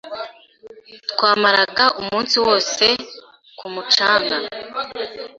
Twamaraga umunsi wose ku mucanga.